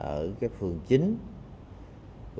ở phường chín